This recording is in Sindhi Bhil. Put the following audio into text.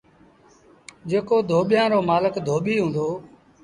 جيڪو ڌوٻيآݩ رو مآلڪ ڌوٻيٚ هُݩدو۔